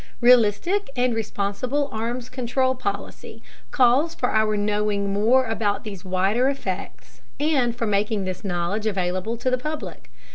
Realistic and responsible arms control policy calls for our knowing more about these wider effects and for making this knowledge available to the public.